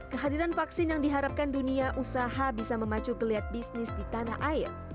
kehadiran vaksin yang diharapkan dunia usaha bisa memacu geliat bisnis di tanah air